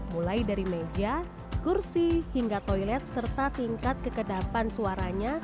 mulai dari meja kursi hingga toilet serta tingkat kekedapan suaranya